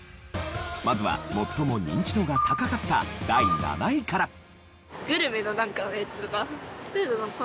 まずは最もニンチドが高かった第７位から。